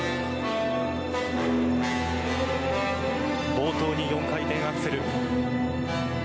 冒頭に４回転アクセル。